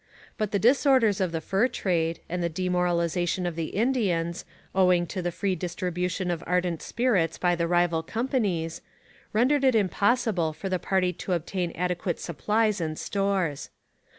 But the disorders of the fur trade, and the demoralization of the Indians, owing to the free distribution of ardent spirits by the rival companies, rendered it impossible for the party to obtain adequate supplies and stores.